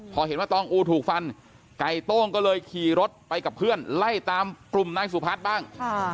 พอเห็นว่าตองอูถูกฟันไก่โต้งก็เลยขี่รถไปกับเพื่อนไล่ตามกลุ่มนายสุพัฒน์บ้าง